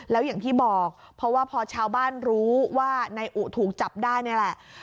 แล้วอย่างที่บอกเพราะว่าพอชาวบ้านรู้ว่านายอุถูกจับได้นี่แหละ